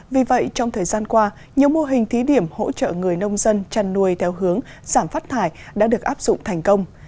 vì vậy trong thời gian qua nhiều mô hình thí điểm hỗ trợ người nông dân chăn nuôi theo hướng giảm phát thải đã được áp dụng thành công